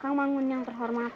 kang mangun yang terhormat